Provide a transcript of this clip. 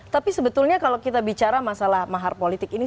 tapi sebetulnya kalau kita bicara masalah mahar politik ini